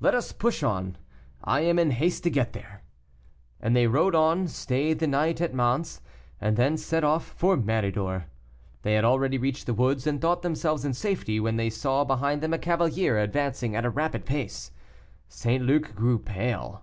"Let us push on; I am in haste to get there," and they rode on, stayed the night at Mans, and then set off for Méridor. They had already reached the woods and thought themselves in safety, when they saw behind them a cavalier advancing at a rapid pace. St. Luc grew pale.